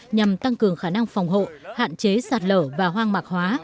nhằm tăng cường khả năng phòng hộ hạn chế sạt lở và hoang mạc hóa